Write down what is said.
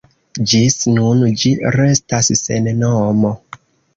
Ĝis nun, ĝi restas sen nomo.